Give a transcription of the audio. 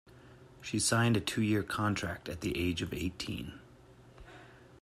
She signed a two-year contract at the age of eighteen.